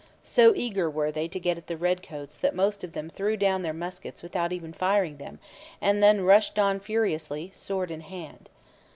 So eager were they to get at the redcoats that most of them threw down their muskets without even firing them, and then rushed on furiously, sword in hand.